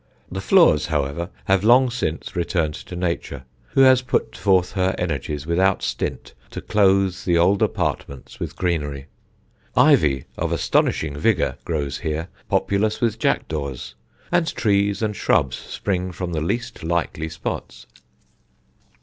The floors, however, have long since returned to nature, who has put forth her energies without stint to clothe the old apartments with greenery. Ivy of astonishing vigour grows here, populous with jackdaws, and trees and shrubs spring from the least likely spots.